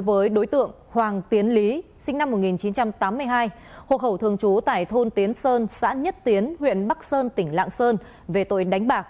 và những thông tin về truy nã tội phạm